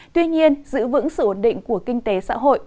tuy nhiên giữ vững sự ổn định của kinh tế xã hội